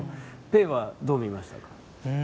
ぺえは、どう見ましたか。